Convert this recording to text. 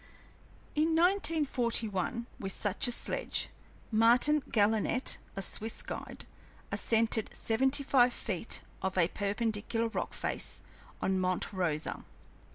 In 1941, with such a sledge, Martin Gallinet, a Swiss guide, ascended seventy five feet of a perpendicular rock face on Monte Rosa.